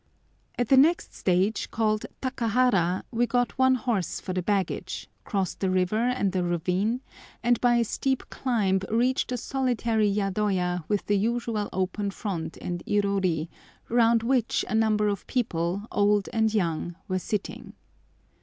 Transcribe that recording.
At the next stage, called Takahara, we got one horse for the baggage, crossed the river and the ravine, and by a steep climb reached a solitary yadoya with the usual open front and irori, round which a number of people, old and young, were sitting.